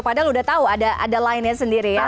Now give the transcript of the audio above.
padahal udah tahu ada lainnya sendiri ya